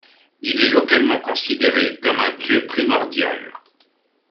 Il est localement considéré comme un dieu primordial.